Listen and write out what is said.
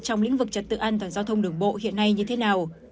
trong lĩnh vực trật tự an toàn giao thông đường bộ hiện nay như thế nào